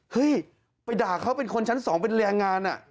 เฮ้ยไปด่าเขาเป็นคนชั้น๒เป็นแรงงาน